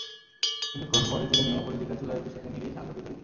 কিছুক্ষণ পরে তুলে নিয়ে অপরের দিকটা চুলায় একটু সেঁকে নিলেই নানরুটি তৈরি।